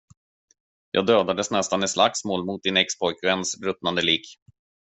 Jag dödades nästan i slagsmål mot din expojkväns ruttnande lik.